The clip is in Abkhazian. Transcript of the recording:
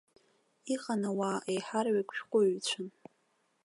Иҟан ауаа, еиҳараҩык шәҟәыҩҩцәан.